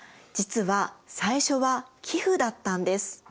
実は最初は寄付だったんです。